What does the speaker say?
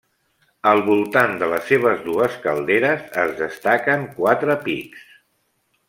Al voltant de les seves dues calderes es destaquen quatre pics.